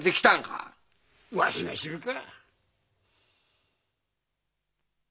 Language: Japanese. わしが知るか。